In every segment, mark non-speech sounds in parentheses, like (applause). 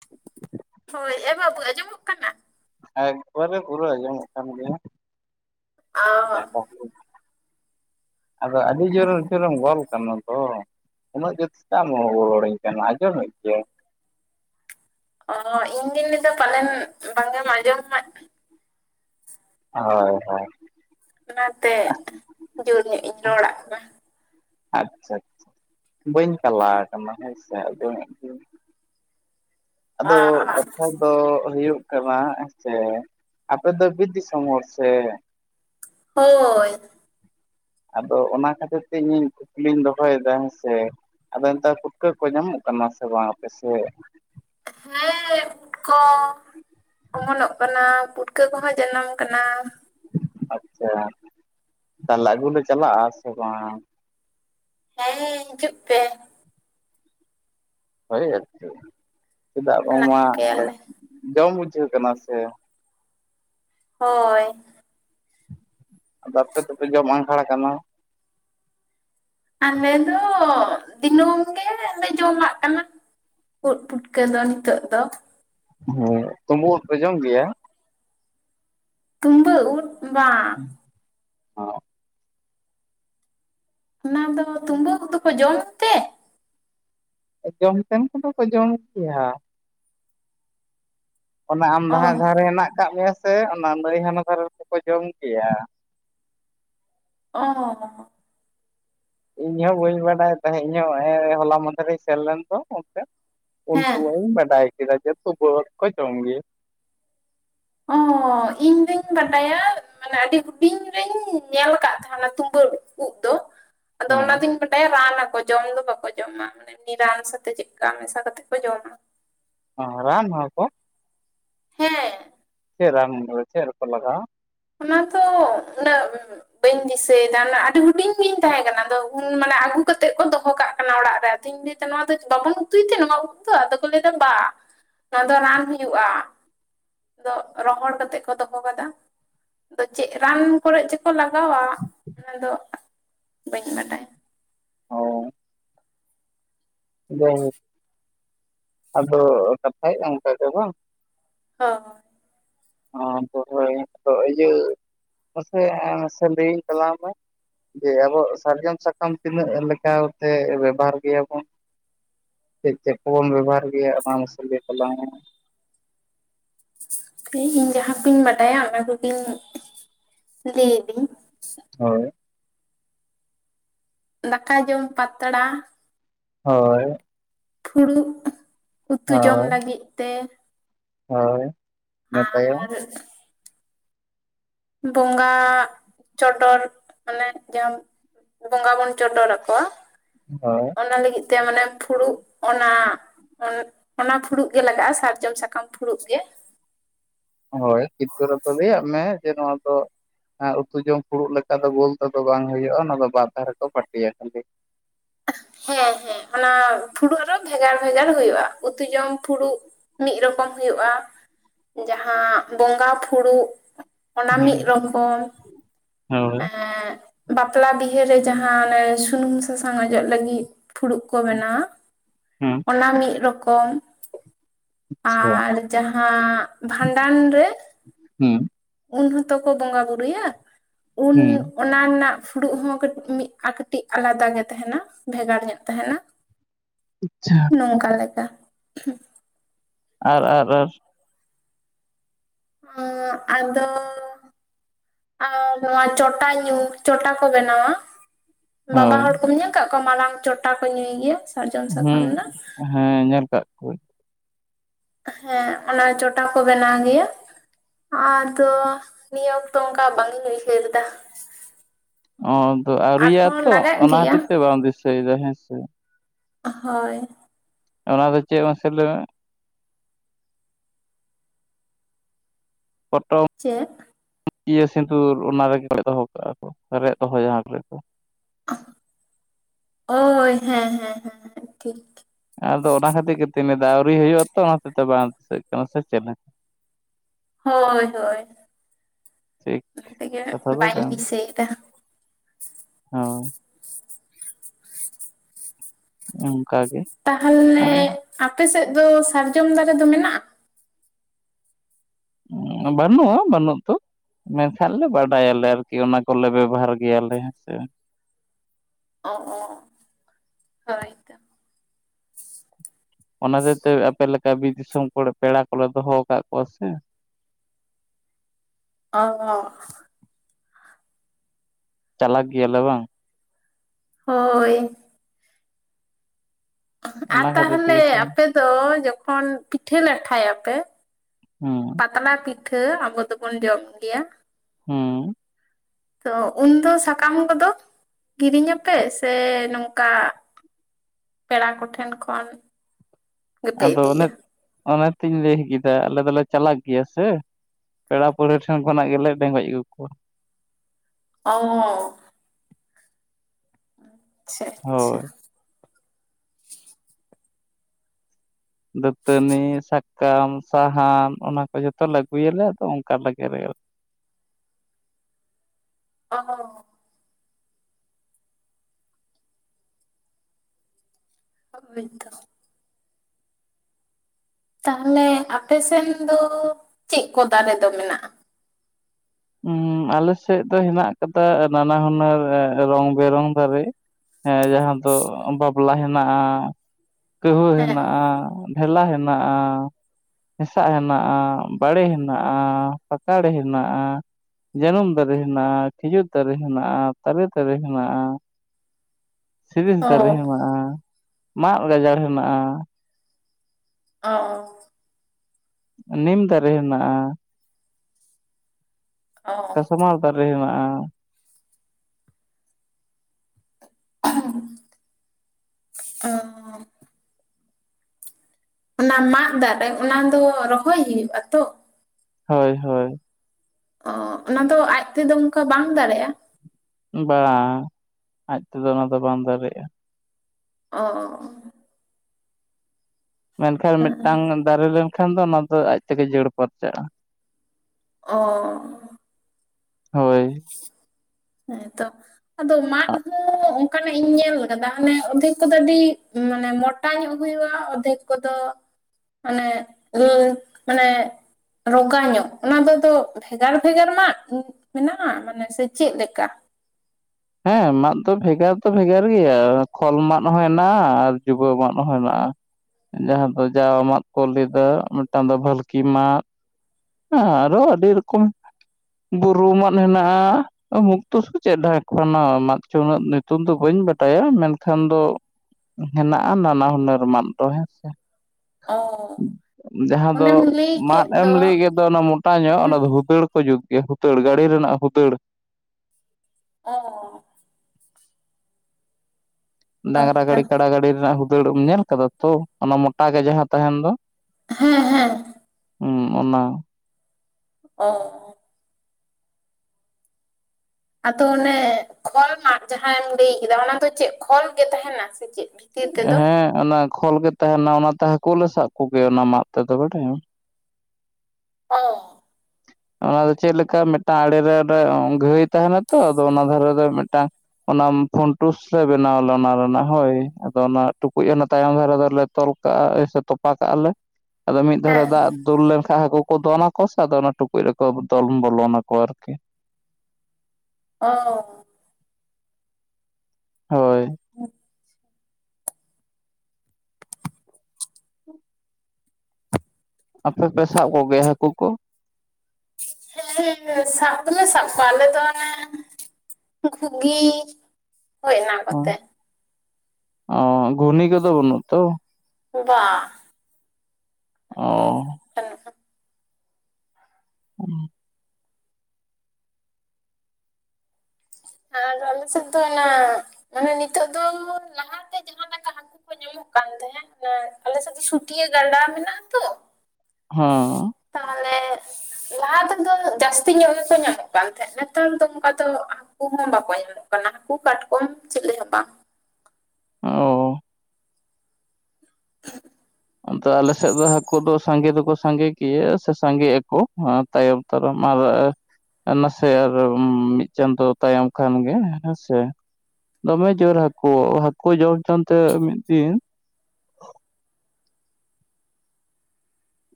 (inaudible) ᱦᱳᱭ ᱮ ᱵᱟᱹᱵᱩ ᱟᱸᱡᱚᱢᱚᱜ ᱠᱟᱱᱟ? ᱮᱠᱵᱟᱨᱮ ᱯᱩᱨᱟᱹ ᱟᱸᱡᱚᱢᱚᱜ ᱠᱟᱱ ᱜᱤᱭᱟ. ᱚ ᱟᱫᱚ ᱟᱹᱰᱤ ᱡᱚᱨ ᱮᱱᱛᱮᱜ ᱜᱚᱞ ᱠᱟᱱᱟ ᱛᱚ ᱩᱱᱟᱹᱜ ᱜᱮ ᱪᱮᱛᱟᱢ ᱨᱚᱲᱟᱹᱧ ᱠᱟᱱᱟ ᱟᱸᱡᱚᱢᱮᱫ ᱜᱮᱭᱟᱭ ᱚ ᱤᱧᱜ ᱱᱤᱛᱚᱜ ᱯᱟᱞᱮᱱ ᱵᱟᱝᱜᱮᱢ ᱟᱸᱡᱚᱢᱟ ᱦᱳᱭ ᱦᱳᱭ ᱚᱱᱟᱛᱮ ᱡᱚᱨ ᱧᱚᱜ ᱤᱧ ᱨᱚᱲᱟᱜ ᱠᱟᱱᱟ ᱟᱪᱷᱟ ᱟᱪᱷᱟ ᱵᱟᱹᱧ ᱪᱟᱞᱟᱣ ᱟᱠᱟᱱᱟ ᱦᱮᱸ ᱥᱮ ᱟᱫᱚ ᱟᱫᱚ ᱠᱟᱛᱷᱟ ᱫᱚ ᱦᱩᱭᱩᱜ ᱟᱯᱮ ᱢᱟ ᱦᱮᱸᱥᱮ ᱟᱯᱮᱫ ᱫᱚ ᱵᱤᱫ ᱫᱤᱥᱚᱢ ᱥᱮ ᱦᱳᱭᱸᱻ ᱟᱫᱚ ᱚᱱᱟ ᱠᱷᱟᱹᱛᱤᱨ ᱛᱮ ᱤᱧᱤᱧ ᱠᱩᱠᱞᱤᱞᱤᱧ ᱫᱚᱦᱚᱭᱮᱫᱟ ᱦᱮᱸ ᱥᱮ ᱟᱫᱚ ᱱᱮᱛᱟᱨ ᱯᱩᱴᱠᱟᱹ ᱠᱚ ᱧᱟᱢᱚᱜ ᱠᱟᱱᱟ ᱥᱮ ᱵᱟᱝ ᱟᱯᱮ ᱥᱮ? ᱦᱮᱸᱻ ᱠᱚ ᱚᱢᱚᱱᱚᱜ ᱠᱟᱱᱟ ᱯᱩᱴᱠᱟᱹ ᱠᱚᱦᱚᱸ ᱡᱟᱱᱟᱢ ᱠᱟᱱᱟ ᱟᱪᱷᱟ ᱛᱟᱦᱞᱮ ᱟᱹᱜᱩ ᱞᱮ ᱪᱟᱞᱟᱜᱼᱟ ᱥᱮ ᱵᱟᱝ? ᱦᱮᱸ ᱦᱤᱡᱩᱜ ᱯᱮ ᱦᱳᱭ ᱟᱨᱠᱤ ᱪᱮᱫᱟᱜ ᱵᱟᱝ ᱦᱟᱞᱟᱝ ᱢᱟ ᱟᱯᱮᱭᱟᱞᱮ ᱡᱚᱢ ᱵᱩᱡᱷᱟᱹᱣ ᱠᱟᱱᱟ ᱥᱮ ᱦᱳᱭ ᱵᱟᱯᱮ ᱛᱚᱯᱮ ᱡᱚᱢ ᱟᱸᱜᱷᱟᱬ ᱟᱠᱟᱱᱟ ᱟᱞᱮ ᱫᱚ ᱫᱤᱱᱟᱹᱢ ᱜᱮᱞᱮ ᱡᱚᱢᱟᱜ ᱠᱟᱱᱟ ᱩᱫ ᱯᱩᱴᱠᱟᱹ ᱫᱚ ᱱᱤᱛᱚᱜ ᱫᱚ ᱦᱮᱸ ᱛᱩᱢᱵᱩᱜ ᱤᱝ ᱯᱮ ᱡᱚᱢ ᱜᱮᱭᱟ ᱛᱩᱢ ᱩᱴ ᱵᱟ ᱦᱚᱣ ᱚᱱᱟ ᱫᱚ ᱛᱩᱢᱵᱩᱜ ᱩᱫ ᱫᱚᱠᱚ ᱡᱚᱢ ᱛᱮ? ᱡᱚᱢ ᱴᱟᱭᱤᱢ ᱠᱚᱫᱚ ᱡᱚᱢ ᱜᱮᱭᱟ ᱚᱱᱟ ᱟᱢ ᱞᱟᱦ ᱚ ᱫᱷᱟᱨᱮ ᱦᱮᱱᱟᱜ ᱟᱠᱟᱫ ᱢᱮᱭᱟ ᱥᱮ ᱚᱱᱟ ᱫᱟᱹᱭ ᱦᱟᱱᱟ ᱫᱷᱟᱨᱮ ᱛᱮ ᱠᱚ ᱡᱚᱢ ᱠᱮᱭᱟ ᱚᱸ ᱤᱧ ᱦᱚᱸ ᱵᱟᱹᱧ ᱵᱟᱰᱟᱭ ᱛᱟᱦᱮᱸᱫ ᱤᱧ ᱦᱚᱸ ᱱᱚᱜ ᱦᱚᱞᱟ ᱢᱟᱫᱷᱮᱨᱤᱧ ᱥᱮᱱ ᱞᱮᱱ ᱫᱚ ᱚᱱᱛᱮ ᱩᱱ ᱦᱮᱸ ᱥᱚᱢᱚᱭᱤᱧ ᱵᱟᱰᱟᱭ ᱠᱮᱫᱟ ᱦᱮᱛᱩ (unintelligible) ᱡᱚᱢ ᱜᱮ ᱚᱸᱻ ᱤᱧ ᱫᱩᱧ ᱵᱟᱰᱟᱭᱟ ᱢᱟᱱᱮ ᱟᱹᱰᱤ ᱦᱩᱰᱤᱧ ᱨᱤᱧ ᱧᱮᱞ ᱟᱠᱟᱫ ᱛᱟᱦᱮᱸᱱᱟ ᱛᱩᱵᱟᱹ ᱩᱵ ᱫᱚ ᱟᱫᱚ ᱚᱱᱟ ᱦᱮᱸ ᱫᱧ ᱨᱟᱱ ᱟᱠᱚ ᱡᱚᱢ ᱫᱚ ᱵᱟᱠᱚ ᱡᱚᱢᱟ ᱢᱟᱱᱮ ᱩᱱᱤ ᱨᱟᱱ ᱥᱟᱛᱮ ᱪᱮᱫ ᱞᱮᱠᱟ ᱢᱮᱥᱟ ᱠᱟᱛᱮᱫ ᱠᱚ ᱡᱚᱢᱟ ᱦᱚᱸ ᱨᱟᱱ ᱦᱚᱸᱠᱚ ᱦᱮᱸ ᱮᱭ ᱨᱟᱱ ᱫᱚ ᱪᱮᱫ ᱨᱮᱠᱚ ᱞᱟᱜᱟᱣᱟ? ᱚᱱᱟᱛᱚ ᱩᱱᱟᱹᱜ ᱵᱟᱹᱧ ᱫᱤᱥᱟᱹᱭᱮᱫᱟ ᱱᱟ ᱟᱹᱰᱤ ᱦᱩᱰᱤᱧ ᱜᱤᱧ ᱛᱟᱦᱮᱸ ᱠᱟᱱᱟ ᱟ ᱩᱱ ᱢᱟᱱᱮ ᱟᱹᱜᱩ ᱠᱟᱛᱮᱜ ᱠᱚ ᱫᱚᱦᱚ ᱠᱟᱜ ᱠᱟᱱᱟ ᱚᱲᱟᱜ ᱨᱮ ᱟᱫᱚᱧ ᱞᱟᱹᱭᱟ ᱱᱚᱣᱟ ᱫᱚ ᱵᱟᱵᱚᱱ ᱩᱛᱩᱭ ᱛᱮ ᱱᱚᱣᱟ ᱵ ᱫᱚ ᱟᱫᱚ ᱠᱚ ᱞᱟᱹᱭ ᱮᱫᱟ ᱵᱟ ᱱᱚᱣᱟ ᱫᱚ ᱨᱟᱱ ᱦᱩᱭᱩᱜᱼᱟ ᱟᱫᱚ ᱨᱚᱦᱚᱲ ᱠᱟᱛᱮᱜ ᱠᱚ ᱫᱚᱦᱚ ᱠᱟᱫᱟ ᱟᱫᱚ ᱪᱮᱫ ᱨᱟᱱ ᱠᱚᱨᱮ ᱪᱠᱚ ᱞᱟᱜᱟᱣᱟ ᱚᱱᱟ ᱫᱚ ᱵᱟᱹᱧ ᱵᱟᱰᱟᱭᱟ ᱚ ᱡᱟᱣ ᱦᱚ ᱟᱫᱚ ᱠᱟᱛᱷᱟ ᱭᱮᱫ ᱟᱢ ᱵᱟᱝ ᱦᱚᱸ ᱦᱚ ᱦᱳᱭ ᱟᱫᱚ ᱤᱭᱟᱹᱢᱟᱥᱮ ᱠᱟ. ᱭᱤᱝ ᱛᱟᱞᱝ ᱢᱮ ᱡᱮ ᱟᱵᱚᱣᱟᱜ ᱥᱟᱨᱡᱚᱢ ᱥᱟᱠᱟᱢ ᱛᱤᱱᱟᱹᱜ ᱞᱮᱠᱟᱛᱮ ᱵᱮᱵᱚᱦᱟᱨ ᱜᱮᱭᱟᱵᱚᱱ? ᱪᱮᱫ ᱪᱮᱫ ᱠᱚᱵᱚᱱ ᱵᱮᱵᱚᱦᱟᱨ ᱜᱮᱭᱟ ᱚᱱᱟ ᱢᱟᱥᱮ ᱞᱟᱹᱭ ᱛᱟᱞᱟᱝᱼᱟ ᱢᱮ ᱤᱧ ᱡᱟᱦᱟᱸ ᱠᱚᱧ ᱵᱟᱰᱟᱭᱟ ᱚᱱᱟ ᱠᱚᱜᱮᱧ ᱞᱟᱹᱭᱫᱟᱹᱧ ᱦᱳᱭ ᱫᱟᱠᱟ ᱡᱚᱢ ᱯᱟᱛᱲᱟ, ᱦᱳᱭᱻ ᱯᱷᱩᱲᱩᱜ ᱩᱛᱩ ᱡᱚᱢ ᱦᱳᱭ ᱞᱟᱹᱜᱤᱫ ᱛᱮ ᱦᱳᱭ ᱱᱟᱯᱟᱭᱟ᱾ (unintelligible) ᱵᱚᱸᱜᱟ ᱪᱚᱰᱚᱨ ᱢᱟᱱᱮ ᱡᱟᱦᱟᱸ ᱵᱚᱸᱜᱟ ᱵᱚᱸᱱ ᱪᱚᱰᱚᱨ ᱟᱠᱚᱼᱟ ᱾ ᱦᱮᱸ ᱚᱱᱟ ᱞᱟᱹᱜᱤᱫ ᱛᱮ ᱢᱟᱱᱮ ᱯᱷᱩᱲᱩᱜ ᱚᱱᱟ ᱚᱱᱟ ᱯᱷᱩᱲᱩᱜ ᱜᱮ ᱞᱟᱜᱟᱜᱼᱟ ᱥᱟᱨᱡᱚᱢ ᱥᱟᱠᱟᱢ ᱯᱷᱩᱲᱩᱜ ᱜᱮ᱾ ᱦᱳᱭ ᱪᱤᱛᱟᱹᱨ ᱨᱮᱫᱚ ᱞᱟᱹᱭᱟᱜ ᱢᱮ ᱡᱮ ᱱᱚᱣᱟ ᱫᱚ ᱩᱛᱩ ᱡᱚᱢ ᱯᱷᱩᱲᱩᱜ ᱞᱮᱠᱟ ᱫᱚ ᱵᱳᱞ ᱛᱮᱫᱚ ᱵᱟᱝ ᱦᱩᱭᱩᱜᱼᱟ, ᱚᱱᱟ ᱫᱚ ᱵᱟᱨ ᱫᱷᱟᱣ ᱨᱮ ᱠᱚ ᱯᱟᱹᱴᱤᱭᱟ ᱠᱷᱟᱹᱞᱤ᱾ ᱦᱮᱸ, ᱦᱮᱸ ᱚᱱᱟ ᱯᱷᱩᱲᱩᱜ ᱨᱮ ᱵᱷᱮᱜᱟᱨ- ᱵᱷᱮᱜᱟᱨ ᱦᱩᱭᱩᱜᱼᱟ ᱩᱛᱩ ᱡᱚᱢ ᱯᱷᱩᱲᱩᱜ ᱢᱤᱫ ᱨᱚᱠᱚᱢ ᱦᱩᱭᱩᱜᱼᱟ ᱡᱟᱦᱟᱸ ᱵᱚᱸᱜᱟ ᱯᱷᱩᱲᱩᱜᱼᱚ, ᱚᱱᱟ ᱦᱩᱸ ᱢᱤᱫ ᱨᱚᱠᱚᱢ, ᱦᱳᱭ ᱮᱸᱻ ᱵᱟᱯᱞᱟ -ᱵᱤᱦᱟ ᱨᱮ ᱡᱟᱦᱟᱸ ᱚᱱᱮ ᱥᱩᱱᱩᱢ- ᱥᱟᱥᱟᱝ ᱥᱟᱝ ᱚᱡᱚᱜ ᱞᱟᱹᱜᱤᱫ ᱯᱷᱩᱲᱩᱜ ᱠᱚ ᱵᱮᱱᱟᱶᱼᱟ ᱾ ᱦᱮᱸᱻ ᱚᱱᱟ ᱢᱤᱫ ᱨᱚᱠᱚᱢ ᱾ ᱟᱪᱪᱷᱟ ᱟᱨ ᱡᱟᱦᱟᱸ ᱵᱷᱟᱸᱰᱟᱸᱱ ᱨᱮ ᱦᱩᱸ᱾ ᱩᱱ ᱦᱚᱸᱛᱚ ᱠᱚ ᱵᱚᱸᱜᱟ ᱵᱩᱨᱩᱭᱟ, ᱩᱱ ᱦᱩᱸ ᱚᱱᱟ ᱨᱮᱱᱟᱜ ᱯᱷᱩᱲᱩᱜ ᱦᱚᱸ ᱠᱟᱹᱴᱤᱡ ᱢᱤᱫ ᱟᱨ ᱠᱟᱹᱴᱤᱡ ᱟᱞᱟᱫᱟ ᱜᱮ ᱛᱟᱦᱮᱱᱟ ᱵᱷᱮᱜᱟᱨ ᱧᱚᱜ ᱛᱟᱦᱮᱱᱟ ᱾ ᱟᱪᱪᱷᱟ᱾ ᱚᱝᱠᱟ ᱞᱮᱠᱟ ᱾ ᱟᱨ ᱼᱟᱨᱼᱟᱨ ᱚ ᱟᱫᱚᱻ ᱟᱨ ᱱᱚᱣᱟ ᱪᱚᱴᱟ ᱧᱩ ᱪᱚᱴᱟ ᱠᱚ ᱵᱮᱱᱟᱣᱼᱟ ᱾ ᱵᱟᱵᱟ ᱦᱳᱭ ᱦᱚᱲ ᱠᱚᱢ ᱧᱮᱞ ᱟᱠᱟᱫ ᱠᱚᱣᱟ? ᱢᱟᱨᱟᱝ ᱪᱚᱴᱟ ᱠᱚ ᱧᱩᱭ ᱜᱮᱭᱟ ᱥᱟᱨᱡᱚᱢ ᱥᱟᱠᱟᱢ ᱦᱩᱸ ᱨᱮᱱᱟᱜ ᱾ ᱦᱮᱸ ᱧᱮᱞ ᱠᱟᱜ ᱠᱚᱭᱟᱹᱤᱧ᱾ ᱦᱮᱸ ᱚᱱᱟ ᱪᱚᱴᱟ ᱠᱚ ᱵᱮᱱᱟᱣ ᱜᱮᱭᱟ ᱾ ᱟᱫᱚ ᱱᱤᱭᱟᱹ ᱚᱠᱛᱚ ᱚᱱᱠᱟ ᱵᱟᱝ ᱤᱧ ᱩᱭᱦᱟᱹᱨ ᱫᱟ ᱾ ᱚᱫᱚ ᱟᱹᱣᱨ ᱨᱮᱭᱟᱜ ᱛᱚ ᱞᱟᱜᱟᱜ ᱚᱱᱟ ᱜᱮᱭᱟ ᱦᱚᱛᱮᱫ ᱛᱮ ᱵᱟᱢ ᱫᱤᱥᱟᱹᱭᱮᱫᱟ ᱦᱮᱸᱥᱮ᱾ ᱦᱚᱭ᱾ ᱚᱱᱟ ᱫᱚ ᱪᱮᱫ ᱢᱟᱥᱮ ᱞᱟᱹᱭ ᱢᱮ? (unintelligible) ᱪᱮᱫ? ᱠᱤᱭᱟᱹ ᱥᱤᱸᱫᱩᱨ ᱚᱱᱟ ᱨᱮᱜᱮ ᱠᱚ ᱫᱚᱦᱚ ᱠᱟᱜᱼᱟ ᱠᱚ, ᱨᱮᱫ ᱫᱚᱦᱚ ᱡᱟᱦᱟᱸ ᱠᱚᱨᱮ ᱠᱚ᱾ ᱳᱭ ᱦᱮᱸ, ᱦᱮᱸ, ᱦᱮᱸ ᱴᱷᱤᱠ᱾ ᱟᱫᱚ ᱚᱱᱟ ᱠᱷᱟᱹᱛᱤᱨ ᱜᱮ ᱛᱤᱱᱟᱹᱜ ᱟᱹᱣᱨᱤ ᱦᱩᱭᱩᱜᱼᱟᱛᱚ ᱚᱱᱟ ᱛᱚ ᱵᱟᱝ ᱫᱤᱥᱟᱹᱜ ᱠᱟᱱᱟ ᱥᱮ ᱪᱮᱫᱮ? ᱦᱳᱭ-ᱦᱳᱭ ᱴᱷᱤᱠ ᱚᱱᱟ ᱛᱮᱜᱮ ᱠᱟᱛᱷᱟ ᱫᱚ ᱵᱟᱹᱧ ᱠᱟᱱ ᱫᱤᱥᱟᱹᱭ ᱫᱟ ᱾ ᱦᱚᱸ᱾ ᱚᱱᱠᱟᱜᱮ ᱛᱟᱦᱚᱞᱮ ᱟᱯᱮᱥᱮᱫ ᱫᱚ ᱥᱟᱨᱡᱚᱢ ᱫᱟᱨᱮ ᱫᱚ ᱢᱮᱱᱟᱜᱼᱟ? ᱵᱟᱹᱱᱩᱜᱼᱟ ᱵᱟᱹᱱᱩᱜ ᱛᱚ᱾ ᱢᱮᱱᱠᱷᱟᱱ ᱞᱮ ᱵᱟᱰᱟᱭᱟᱞᱮ ᱟᱨᱠᱤ ᱚᱱᱟ ᱠᱚᱞᱮ ᱵᱮᱵᱚᱦᱟᱨ ᱜᱮᱭᱟᱞᱮ ᱦᱮᱸ ᱥᱮ᱾ ᱟ - ᱚᱸ᱾ ᱦᱳᱭ ᱛᱚ᱾ ᱚᱱᱟ ᱦᱳᱛᱮᱫ ᱛᱮ ᱟᱯᱮ ᱞᱮᱠᱟ ᱵᱤᱨ ᱫᱤᱥᱚᱢ ᱠᱚᱲᱟ, ᱯᱮᱲᱟ ᱠᱚᱞᱮ ᱫᱚᱦᱚ ᱟᱠᱟᱫ ᱠᱚᱣᱟ ᱥᱮ᱾ ᱚᱻ ᱪᱟᱞᱟᱠ ᱜᱮᱭᱟ ᱞᱮ ᱵᱟᱝ? ᱦᱳᱭ ᱟᱨ ᱚᱱᱟ ᱠᱷᱟᱹᱛᱤᱨ ᱛᱟᱦᱚᱞᱮ ᱛᱮᱜᱮ ᱥᱮ ᱟᱯᱮ ᱫᱚ ᱡᱚᱠᱷᱚᱱ ᱯᱤᱴᱷᱟᱹ ᱞᱟᱴᱷᱟᱭᱟᱯᱮ ᱦᱩᱸ ᱯᱟᱛᱞᱟ ᱯᱤᱴᱷᱟᱹ ᱟᱵᱚ ᱫᱚᱵᱚᱱ ᱡᱚᱢ ᱜᱮᱭᱟ᱾ ᱦᱩᱸ ᱛᱚ ᱩᱱᱫᱚ ᱥᱟᱠᱟᱢ ᱠᱚᱫᱚ ᱠᱤᱨᱤᱧᱟᱯᱮ ᱥᱮ ᱱᱚᱝᱠᱟ ᱯᱮᱲᱟ ᱠᱚᱴᱷᱮᱱ ᱠᱷᱚᱱ ᱜᱮᱯᱮ ᱟᱫᱚ ᱤᱫᱤᱭᱟ ᱚᱱᱮᱫᱽ ᱚᱱᱮ ᱛᱚᱧ ᱞᱟᱹᱭ ᱠᱮᱫᱟ ᱟᱞᱮ ᱫᱚᱞᱮ ᱪᱟᱞᱟᱠ ᱜᱮᱭᱟ ᱥᱮ ᱯᱮᱲᱟ ᱯᱟᱹᱲᱦᱟᱹ ᱴᱷᱮᱱ ᱠᱷᱚᱱᱟᱜ ᱜᱮᱞᱮ ᱴᱮᱜᱚᱡ ᱟᱹᱜᱩ ᱠᱚᱣᱟ᱾ ᱚᱸᱻ ᱟᱪᱪᱷᱟ ᱟᱪᱪᱷᱟ ᱦᱳᱭ ᱫᱟᱹᱛᱟᱹᱱᱤ ᱥᱟᱠᱟᱢ ᱥᱟᱦᱟᱱ ᱚᱱᱟ ᱠᱚ ᱡᱚᱛᱚ ᱞᱮ ᱟᱹᱜᱩᱭᱟᱞᱮ ᱟᱫᱚ ᱚᱱᱠᱟ ᱛᱮᱜᱮ ᱞᱮ ᱚᱦᱚ (unintelligible) ᱛᱟᱦᱚᱞᱮ ᱟᱯᱮ ᱥᱮᱱ ᱫᱚ ᱪᱮᱫ ᱠᱚ ᱫᱟᱨᱮ ᱫᱚ ᱢᱮᱱᱟᱜᱼᱟ? ᱩᱸ ᱟᱞᱮ ᱥᱮᱫ ᱫᱚ ᱦᱮᱱᱟᱜ ᱠᱟᱫᱟ ᱱᱟᱱᱟ ᱦᱩᱱᱟᱹᱨ ᱨᱚᱝ ᱵᱮᱨᱚᱝ ᱫᱟᱨᱮ᱾ ᱦᱮᱸ ᱡᱟᱦᱟᱸ ᱫᱚ ᱵᱟᱯᱞᱟ ᱦᱮᱱᱟᱜᱼᱟ ᱠᱟᱹᱣᱦᱟᱹ ᱦᱮᱸ ᱦᱮᱱᱟᱜᱼᱟ᱾ ᱦᱮᱞᱞᱟ ᱦᱮᱱᱟᱜᱼᱟ᱾ ᱦᱮᱸᱥᱟᱜ ᱦᱮᱱᱟᱜᱼᱟ, ᱵᱟᱲᱮ ᱦᱮᱱᱟᱜᱼᱟ, ᱯᱟᱠᱟᱲᱮ ᱦᱮᱱᱟᱜᱼᱟ᱾ ᱡᱟᱹᱱᱩᱢ ᱫᱟᱨᱮ ᱦᱮᱱᱟᱜᱼᱟ, ᱠᱷᱤᱡᱩᱨ ᱫᱟᱨᱮ ᱦᱮᱱᱟᱜᱼᱟ, ᱛᱟᱞᱮ ᱫᱟᱨᱮ ᱦᱮᱱᱟᱜᱼᱟ᱾ ᱥᱤᱨᱤᱥ ᱚ ᱫᱟᱨᱮ ᱦᱮᱱᱟᱜᱼᱟ ᱢᱟᱫ ᱜᱟᱡᱟᱲ ᱦᱮᱱᱟᱜᱼᱟ ᱚ ᱱᱤᱢ ᱫᱟᱨᱮ ᱦᱮᱱᱟᱜᱼᱟ᱾ (unintelligible) ᱥᱚᱢᱟᱨ ᱫᱟᱨᱮ ᱦᱮᱱᱟᱜᱼᱟ᱾ ᱚ ᱚᱱᱟ ᱢᱟᱫ ᱫᱟᱨᱮ ᱚᱱᱟ ᱫᱚ ᱨᱚᱦᱚᱭ ᱦᱩᱭᱩᱜ-ᱟ ᱛᱚ᱾ ᱦᱳᱭ ᱦᱳᱭ ᱚ ᱚᱱᱟ ᱫᱚ ᱟᱡ ᱛᱮᱫᱚ ᱚᱱᱠᱟ ᱵᱟᱝ ᱫᱟᱨᱮᱜᱼᱟ᱾ ᱵᱟᱝ ᱟᱡ ᱛᱮᱫᱚ ᱚᱱᱟ ᱫᱚ ᱵᱟᱝ ᱫᱟᱨᱮᱜᱼᱟ᱾ ᱚ ᱢᱮᱱᱠᱷᱟᱱ ᱦᱮᱸ ᱢᱤᱫᱴᱟᱝ ᱫᱟᱨᱮ ᱞᱮᱱᱠᱷᱟᱱ ᱫᱚ ᱚᱱᱟ ᱫᱚ ᱟᱡ ᱛᱮᱜᱮ ᱡᱟᱹᱲ ᱯᱟᱨᱪᱟᱜᱼᱟ᱾ ᱚ ᱦᱳᱭ ᱦᱮᱸᱛᱚ ᱟᱫᱚ ᱢᱟᱫ ᱦᱚᱸ ᱚᱱᱠᱟᱱᱟᱜ ᱤᱧ ᱧᱮᱞ ᱟᱠᱟᱫᱟ᱾ ᱢᱟᱱᱮ ᱚᱫᱷᱮᱠ ᱠᱚᱫᱚ ᱟᱹᱰᱤ ᱢᱟᱱᱮ ᱢᱚᱴᱟ ᱧᱚᱜ ᱦᱩᱭᱩᱜᱼᱟ ᱚᱫᱷᱮᱠ ᱠᱚᱫᱚ ᱢᱟᱱᱮ (unintelligible) ᱢᱟᱱᱮ ᱨᱚᱜᱟ ᱧᱚᱜ, ᱚᱱᱟ ᱫᱚ ᱟᱫᱚ ᱵᱷᱮᱜᱟᱨ ᱵᱷᱮᱜᱟᱨ ᱢᱟᱜᱽ ᱢᱮᱱᱟᱜᱼᱟ, ᱢᱟᱱᱮ ᱥᱮ ᱪᱮᱫ ᱞᱮᱠᱟ? ᱠᱟ ᱦᱮᱸ ᱢᱟᱫ ᱫᱚ ᱵᱷᱮᱜᱟᱨ ᱫᱚ ᱵᱷᱮᱜᱟᱨ ᱜᱮᱭᱟ, ᱠᱷᱚᱞ ᱢᱟᱫ ᱦᱚᱸ ᱦᱮᱱᱟᱜᱼᱟ ᱟᱨ ᱡᱩᱵᱟᱹ ᱢᱟᱫ ᱦᱚᱸ ᱦᱮᱱᱟᱜᱼᱟ᱾ ᱡᱟᱦᱟᱸ ᱫᱚ ᱡᱟᱣ ᱢᱟᱫ ᱠᱚ ᱞᱮᱫᱟ, ᱢᱤᱫᱴᱟᱝ ᱫᱚ ᱵᱷᱟᱞᱠᱤ ᱢᱟᱫ᱾ ᱟᱨᱚ ᱟᱹᱰᱤ ᱨᱚᱠᱚᱢ ᱵᱩᱨᱩᱢᱟᱫ ᱦᱮᱱᱟᱜᱼᱟ ᱢᱩᱠᱛᱚ ᱥᱮ ᱪᱮᱫ ᱰᱠ ᱠᱷ ᱢᱟᱫ ᱪᱚ ᱨᱮᱱᱟᱜ ᱧᱩᱛᱩᱢ ᱫᱚ ᱵᱟᱹᱧ ᱵᱟᱰᱟᱭᱟ ᱢᱮᱱᱠᱷᱟᱱ ᱫᱚ ᱦᱮᱱᱟᱜᱼᱟ ᱱᱟᱱᱟ ᱦᱩᱱᱟᱹᱨ ᱢᱟᱫ ᱫᱚ᱾ ᱦᱮᱸ ᱥᱮ ᱚ ᱡᱟᱦᱟᱸ ᱫᱚ ᱚᱱᱮᱢ ᱞᱟᱹᱭ ᱠᱮᱫ ᱢᱟᱫ ᱮᱢ ᱫᱚ ᱞᱟᱹᱭ ᱜᱮ ᱚᱱᱟ ᱢᱚᱴᱟ ᱧᱚᱜ, ᱚᱱᱟ ᱦᱮᱸ ᱫᱚ ᱦᱩᱫᱟᱹᱲ ᱠᱚ ᱡᱩᱛ ᱜᱮᱭᱟ, ᱦᱩᱫᱟᱹᱲ ᱜᱟᱹᱲᱤ ᱨᱮᱱᱟᱜ ᱦᱩᱫᱟᱹᱲ ᱚ ᱰᱟᱝᱨᱟ ᱦᱳᱭᱛᱚ ᱜᱟᱹᱰᱤ ᱠᱟᱰᱟ ᱜᱟᱹᱰᱤ ᱨᱮᱱᱟᱜ ᱦᱩᱫᱟᱹᱲ ᱮᱢ ᱧᱮᱞ ᱠᱟᱫᱟ ᱛᱚ, ᱚᱱᱟ ᱢᱚᱴᱟ ᱜᱮ ᱡᱟᱦᱟᱸ ᱛᱟᱦᱮᱱ ᱫᱚ᱾ ᱦᱮᱸ ᱦᱮᱸ ᱦᱩᱸ ᱚᱱᱟ ᱚ ᱟᱫᱚ ᱚᱱᱮ ᱠᱷᱚᱞ ᱢᱟᱫ ᱡᱟᱦᱟᱸᱢ ᱞᱟᱹᱭ ᱠᱮᱫᱟ᱾ ᱚᱱᱟ ᱫᱚ ᱪᱮᱫ ᱠᱷᱚᱞ ᱜᱮ ᱛᱟᱦᱮᱱᱟ ᱥᱮ ᱪᱮᱫ? ᱵᱷᱤᱛᱤᱨ ᱛᱮᱫᱚ? ᱦᱮᱸ ᱚᱱᱟ ᱠᱷᱚᱞ ᱜᱮ ᱛᱟᱦᱮᱱᱟ ᱚᱱᱟᱛᱮ ᱦᱟᱹᱠᱩ ᱞᱮ ᱥᱟᱵ ᱠᱚᱜᱮᱭᱟ ᱚᱱᱟ ᱢᱟᱫ ᱛᱮᱫᱚ ᱵᱟᱴᱟᱭ ᱚ ᱚᱱᱟ ᱫᱚ ᱪᱮᱫ ᱞᱮᱠᱟ ᱢᱤᱫᱴᱟᱝ ᱟᱲᱮᱨᱮ ᱜᱷᱟᱹᱭ ᱛᱟᱦᱮᱱᱟ ᱛᱚ ᱟᱫᱚ ᱚᱱᱟ ᱫᱷᱟᱨᱮ ᱫᱚ ᱢᱤᱫᱴᱟᱝ ᱚᱱᱟ ᱯᱷᱩᱱᱴᱩᱥ ᱞᱮ ᱵᱮᱱᱟᱣᱚᱞ ᱚᱱᱟ ᱨᱮᱱᱟᱜ ᱦᱳᱭ ᱟᱫᱚ ᱚᱱᱟ ᱴᱩᱠᱩᱡ ᱚᱱᱟ ᱛᱟᱭᱚᱢ ᱫᱷᱟᱨᱮ- ᱫᱷᱟᱨᱮ ᱛᱚᱞ ᱠᱟᱜᱼᱟ ᱥᱮ ᱛᱚᱯᱟ ᱠᱟᱜᱼᱟ ᱞᱮ ᱟᱫᱚ ᱢᱤᱫ ᱫᱷᱟᱨᱮ ᱦᱮᱸ ᱫᱟᱜ ᱫᱩᱞ ᱞᱮᱱᱠᱷᱟᱱ ᱦᱟᱹᱠᱩ ᱠᱚ ᱫᱚᱱᱟᱠᱚ ᱥᱮ ᱟᱫᱚ᱾ ᱴᱩᱠᱩᱠᱚ ᱫᱚᱞᱚᱢ ᱵᱚᱞᱚᱱ ᱟᱠᱤ ᱟᱨᱠᱤ᱾ ᱚ ᱦᱳᱭ (inaudible) ᱟᱯᱮ ᱯᱮ ᱥᱟᱵ ᱠᱚᱜᱮᱭᱟ ᱦᱟᱹᱠᱩ ᱠᱚ ᱦᱮᱸ ᱥᱟᱵ ᱫᱚᱢᱮ ᱥᱟᱵ ᱠᱚᱣᱟ ᱟᱞᱮ ᱫᱚ ᱚᱱᱮ ᱜᱷᱩᱜᱤ ᱦᱟᱱᱟ ᱠᱚᱛᱮ ᱚ ᱜᱷᱩᱱᱤ ᱠᱚᱫᱚ ᱵᱟᱹᱱᱩᱜ ᱛᱚ ᱥᱚᱵ ᱚ ᱵᱟᱹᱱᱩᱜᱼᱟ᱾ ᱦᱩᱸ ᱟᱫᱚ ᱟᱞᱮ ᱥᱮᱫ ᱫᱚ ᱚᱱᱟ ᱢᱟᱱᱮ ᱱᱤᱛᱚᱜ ᱫᱚ ᱞᱟᱦᱟᱛᱮ ᱡᱟᱦᱟᱸᱮ ᱞᱮᱠᱟ ᱠᱚ ᱧᱟᱢᱚᱜ ᱠᱟᱱ ᱛᱟᱦᱮᱸᱫ ᱟᱞᱮ ᱥ ᱥᱷᱩᱴᱭᱟᱹ ᱜᱟᱰᱟ ᱢᱮᱱᱟᱜᱼᱟ ᱛᱚ᱾ ᱦᱮᱸ ᱛᱟᱦᱚᱞᱮ ᱞᱟᱦᱟ ᱛᱮᱫᱚ ᱡᱟᱹᱥᱛᱤ ᱧᱚᱜ ᱜᱮᱠᱚ ᱧᱟᱢᱚᱜ ᱠᱟᱱ ᱛᱟᱦᱮᱸᱫ ᱱᱮᱛᱟᱨ ᱫᱚ ᱚᱱᱠᱟ ᱫᱚ᱾ ᱦᱟᱹᱠᱩ ᱦᱚᱸ ᱵᱟᱠᱚ ᱮᱢᱚᱜ ᱠᱟᱱᱟ᱾ ᱦᱟᱹᱠᱩ, ᱠᱟᱴᱠᱚᱢ ᱪᱮᱫ ᱞᱮᱠᱟ ᱦᱚᱸ ᱵᱟᱝ ᱚ (inaudible) ᱛᱮ ᱟᱞᱮᱮᱥᱮᱫ ᱫᱚ ᱦᱠᱩ ᱫᱚ ᱥᱟᱸᱜᱮ ᱫᱚᱠᱚ ᱥᱟᱸᱜᱮ ᱜᱮᱭᱟ ᱥᱮ ᱥᱟᱸᱜᱮ ᱟᱠᱚ ᱛᱟᱭᱚᱢ᱾ ᱟᱨᱢᱟᱨᱟᱜ ᱱᱟᱥᱮ ᱟᱨ ᱢᱤᱫ ᱪᱟᱸᱫᱚ ᱛᱟᱭᱚᱢ ᱠᱷᱟᱱ ᱜᱮ ᱦᱮᱸᱥᱮ ᱫᱚᱢᱮ ᱡᱳᱨ ᱦᱟᱹᱠᱩ ᱦᱟᱹᱠᱩ ᱡᱚᱢ ᱡᱚᱢ ᱛᱮ ᱢᱤᱫ ᱫᱤᱱ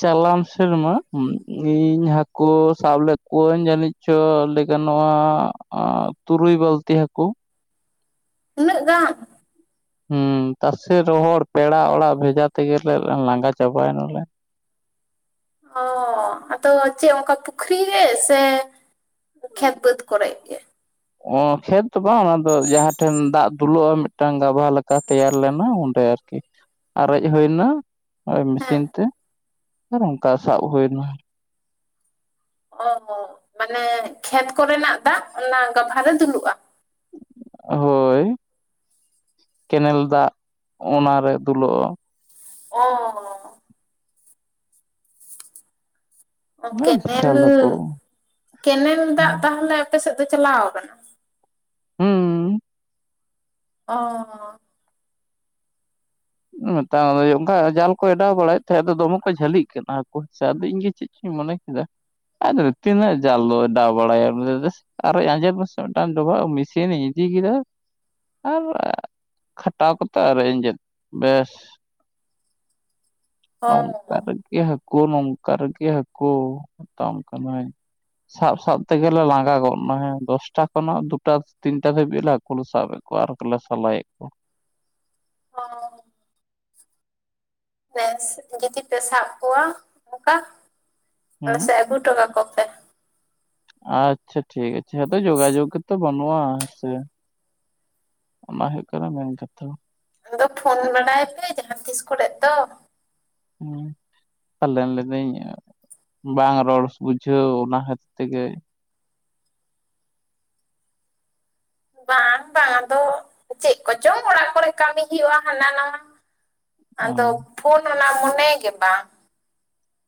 ᱪᱟᱞᱟᱢ ᱥᱮᱨᱢᱟ ᱤᱧ ᱦᱟᱹᱠᱩ ᱥᱟᱵ ᱞᱮᱫ ᱠᱚᱣᱟᱹᱧ ᱡᱟᱹᱱᱤᱡ ᱪᱚ ᱜᱟᱱᱚᱜᱼᱟ ᱛᱩᱨᱩᱭ ᱵᱟᱹᱞᱛᱤ ᱦᱟᱹᱠᱩ ᱩᱱᱟᱹᱜ ᱜᱟᱱ ᱦᱮᱸ ᱛᱟᱥᱮ ᱨᱚᱦᱚᱲ ᱯᱮᱲᱟ ᱚᱲᱟᱜ ᱵᱷᱮᱡᱟ ᱛᱮᱜᱮᱞᱮ ᱞᱟᱸᱜᱟ ᱪᱟᱵᱟᱭᱮᱱᱟ ᱞᱮ᱾ ᱚ ᱟᱫᱚ ᱪᱮᱫ ᱚᱱᱠᱟ ᱯᱩᱠᱷᱚᱨᱤ ᱨᱮ ᱥᱮ ᱯᱨᱠᱷᱛ ᱵᱟᱹᱫ ᱠᱚᱨᱮ ᱜᱮ᱾ ᱚ ᱠᱷᱮᱛ ᱫᱚ ᱵᱟᱝ ᱚᱱᱟ ᱫᱚ ᱡᱟᱦᱟᱸ ᱴᱷᱮᱱ ᱫᱟᱜ ᱫᱩᱞᱩᱜᱼᱟ ᱢᱤᱫᱴᱟᱝ ᱜᱟᱵᱷᱟ ᱞᱮᱠᱟ᱾ ᱫᱟᱠᱟ ᱛᱮᱭᱟᱨ ᱞᱮᱱᱟ ᱚᱸᱰᱮ ᱟᱨᱠᱤ ᱟᱨᱮᱡ ᱦᱩᱭᱱᱟ ᱳ ᱦᱮᱸ ᱢᱮᱥᱤᱱ ᱛᱮ ᱟᱨ ᱚᱱᱠᱟ ᱥᱟᱵ ᱦᱩᱭ ᱮᱱᱟ᱾ ᱚ ᱢᱟᱱᱮ ᱠᱷᱮᱛ ᱠᱚᱨᱮᱱᱟᱜ ᱫᱟᱜ ᱚᱱᱟ ᱜᱟᱵᱷᱟᱨ ᱨᱮ ᱫᱩᱞᱩᱜᱼᱟ᱾ ᱦᱳᱭ ᱠᱮᱱᱮᱞ ᱫᱟᱜ ᱚᱱᱟᱨᱮ ᱫᱩᱞᱩᱜᱼᱟ᱾ ᱚ ᱚ ᱠᱮᱱᱮᱞ ᱵᱤᱥᱟᱞ ᱦᱟᱹᱠᱩ ᱠᱮᱱᱮᱞ ᱫᱟᱜ ᱛᱟᱦᱞᱮ ᱟᱯᱮᱮᱥᱮᱫ ᱫᱚ ᱪᱟᱞᱟᱣ ᱟᱠᱟᱱᱟ? ᱦᱩᱸ ᱚ ᱮᱛ ᱚᱱᱠᱟ ᱡᱟᱞ ᱠᱚ ᱚᱰᱟᱣ ᱵᱟᱲᱟᱭᱮᱫ ᱛᱟᱦᱮᱸᱫ ᱟᱫᱚ ᱫᱚᱢᱮ ᱠᱚ ᱡᱷᱟᱹᱞᱤᱜ ᱠᱟᱱᱟ ᱦᱠᱩ ᱟᱫᱚ ᱤᱧ ᱜᱮ ᱪᱮᱫ ᱤ ᱢᱚᱱᱮᱠᱮᱫ ᱮ ᱛᱱᱟ ᱡᱟᱞ ᱫᱚ ᱚᱲᱟᱣ ᱵᱟᱲᱟ ᱮ᱾ ᱟᱨᱚ ᱟᱸᱡᱮᱫ ᱢᱟᱥᱮ ᱢᱤᱫᱴᱟᱝ ᱰᱚᱵᱷᱟᱜ ᱢᱤᱥᱤᱱᱤᱧ ᱤᱫᱤ ᱠᱮᱫᱟ ᱟᱨ ᱠᱷᱟᱴᱟᱣ ᱠᱚᱛ ᱟᱨ ᱤᱧᱡᱮᱫ ᱵᱮᱥ (inaudible) ᱦᱚᱸ ᱱᱚᱠᱟᱨ ᱮ ᱦᱟᱹᱠᱩ ᱱᱚᱝᱠᱟ ᱨᱮᱜᱮ ᱦᱟᱹᱠᱩ ᱢᱮᱛᱟᱢ ᱠᱟᱱᱟᱭ᱾ ᱥᱟᱵ ᱥᱟᱵ ᱛᱮᱜᱮᱞᱮ ᱞᱟᱸᱜᱟ ᱜᱚᱜ ᱱᱟ ᱦᱮᱸ ᱫᱚᱥᱴᱟ ᱠᱷᱚᱱᱟᱜ ᱫᱩᱴᱟ ᱛᱤᱱᱴᱟ ᱫᱷᱟᱹᱵᱤᱡ ᱞᱮ ᱠᱩ ᱞᱮ ᱥᱟᱵ ᱮᱜ ᱠᱚᱣᱟ ᱟᱨ ᱠᱚᱞᱮ ᱥᱚᱞᱟᱭ ᱮᱜ ᱠᱚᱣᱟ ᱦᱚ ᱵᱮᱥ ᱡᱩᱫᱤ ᱯᱮ ᱥᱟᱵ ᱠᱚᱣᱟ ᱚᱝᱠᱟ ᱟᱞᱮ ᱦᱩᱸ ᱥᱮᱜ ᱟᱹᱜᱩ ᱚᱴᱚ ᱠᱟᱠᱚᱯᱮ᱾ ᱟᱪᱪᱷᱟ ᱴᱷᱤᱠ ᱟᱪᱮ ᱟᱫᱚ ᱡᱳᱜᱟᱡᱳᱜ ᱛᱚ ᱵᱟᱹᱱᱩᱜᱼᱟ ᱦᱮᱸ ᱥᱮ ᱚᱱᱟ ᱦᱩᱭᱩᱜ ᱠᱟᱱᱟ ᱢᱮᱱ ᱠᱟᱛᱷᱟ᱾ ᱟᱫᱚ ᱯᱷᱳᱱ ᱵᱟᱲᱟᱭ ᱯᱮ ᱡᱟᱦᱟᱸ ᱛᱤᱥ ᱠᱚᱨᱮᱜ ᱫᱚ ᱦᱮᱸ ᱛᱟᱞᱮ ᱞᱤᱫᱟᱹᱧ ᱵᱟᱝ ᱨᱚᱲ ᱵᱩᱡᱷᱟᱹᱣ ᱚᱱᱟ ᱠᱷᱟᱹᱛᱤᱨ ᱛᱮᱜᱮ ᱵᱟᱝ ᱵᱟᱝ ᱟᱫᱚ ᱪᱮᱜ ᱠᱚᱪᱚᱝ ᱚᱲᱟᱜ ᱠᱚᱨᱮ ᱠᱟᱹᱢᱤ ᱦᱩᱭᱩᱜᱼᱟ ᱦᱟᱱᱟ ᱱᱟᱣᱟ ᱟᱫᱚ ᱚ ᱯᱷᱳᱱ ᱚᱱᱟ ᱢᱚᱱᱮ ᱜᱮ ᱵᱟᱝ